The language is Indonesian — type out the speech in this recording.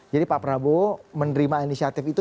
jadi pak prabowo menerima inisiatif itu